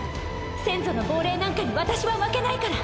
先祖の亡霊なんかに私は負けないから。